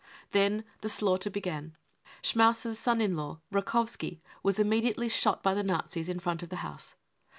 Then the slaughter began. Schmam's sen in law Raiow ski was immediately shot by the Nazis in front of the house.